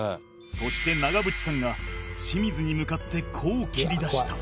そして長渕さんが清水に向かってこう切り出した